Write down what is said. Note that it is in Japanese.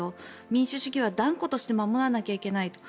民主主義は断固として守らなきゃいけないと。